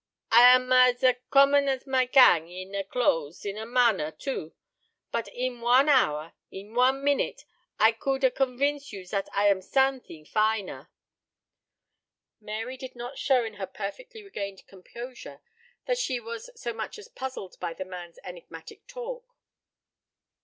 I am a as com mon as my gang in a clothes in a manner, too, eh? But een one hour een one minute I could a con veence you zat I am a something finer." Mary did not show in her perfectly regained composure that she was so much as puzzled by the man's enigmatic talk.